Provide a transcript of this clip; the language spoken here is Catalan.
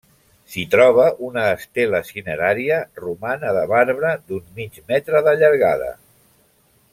S'hi troba una estela cinerària romana de marbre, d'un mig metre de llargada.